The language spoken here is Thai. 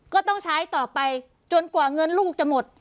ก็ต้องใช้ต่อไปจนกว่าเงินลูกจะหมด